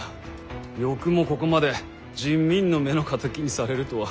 よくもここまで人民の目の敵にされるとは。